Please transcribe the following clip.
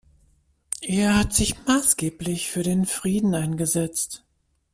Er hat sich maßgeblich für den Frieden eingesetzt.